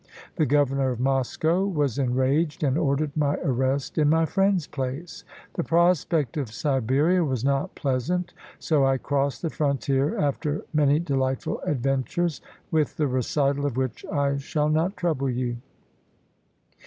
The governor of Moscow was enraged, and ordered my arrest in my friend's place. The prospect of Siberia was not pleasant, so I crossed the frontier after many delightful adventures, with the recital of which I shall not trouble you.